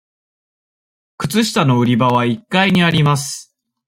靴下の売り場は一階にあります。